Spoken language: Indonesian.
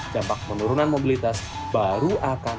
dampak penurunan mobilitas baru akan